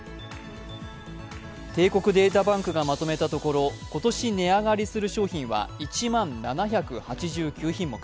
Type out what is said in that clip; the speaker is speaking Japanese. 帝国データパンクがまとめたところ今年値上がりする商品は１万７８９品目。